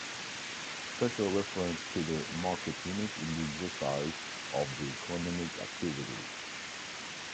Special reference to the market unit in the exercise of the economic activities.